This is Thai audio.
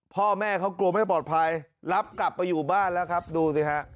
พ่อแม่เขากลัวไม่ปลอดภัยรับกลับไปอยู่บ้านแล้วครับดูสิฮะ